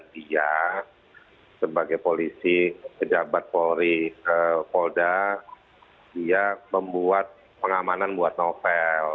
dia sebagai polisi ke jabat polri ke polda dia membuat pengamanan buat novel